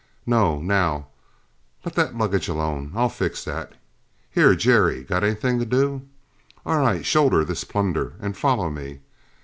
No, now, let that luggage alone; I'll fix that. Here, Jerry, got anything to do? All right shoulder this plunder and follow me.